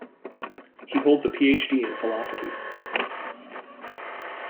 He holds a PhD in philosophy.